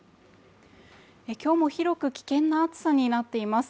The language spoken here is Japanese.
今日も広く危険な暑さになっています